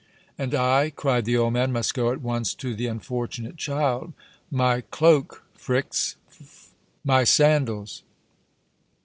"And I," cried the old man, "must go at once to the unfortunate child. My cloak, Phryx, my sandals!"